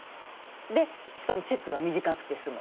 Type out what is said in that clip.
しかも、チェックが短くて済む。